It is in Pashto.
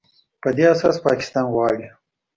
په دې اساس پاکستان غواړي